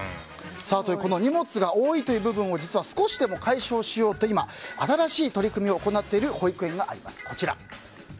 この荷物が多いという部分を少しでも解消しようと今新しい取り組みを行っている保育園があります。